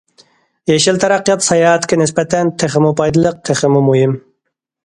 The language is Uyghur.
يېشىل تەرەققىيات ساياھەتكە نىسبەتەن تېخىمۇ پايدىلىق، تېخىمۇ مۇھىم.